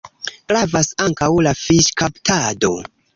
Gravas ankaŭ la fiŝkaptado.